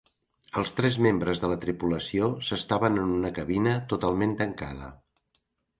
Els tres membres de la tripulació s'estaven en una cabina totalment tancada.